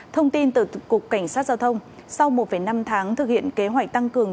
thông tin từ cục cảnh sát giao thông sau một năm tháng thực hiện kế hoạch tăng cường